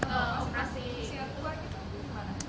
operasi share tua gitu gimana